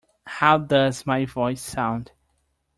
How does my voice sound?